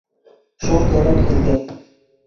Шул кәрәк һеҙгә!